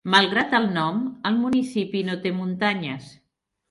Malgrat el nom, el municipi no té muntanyes.